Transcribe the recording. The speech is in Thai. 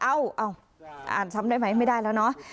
เอ้าอ่านซ้ำได้ไหมไม่ได้แล้วเนอะ